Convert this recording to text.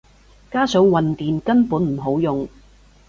加上混電根本唔好用